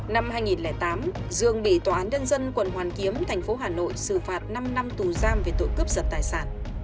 năm hai nghìn tám dương bị tòa án nhân dân quận hoàn kiếm thành phố hà nội xử phạt năm năm tù giam về tội cướp giật tài sản